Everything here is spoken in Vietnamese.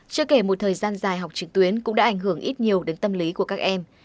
chưa kể một thời gian dài học trực tuyến cũng đã ảnh hưởng ít nhiều đến tâm lý của các em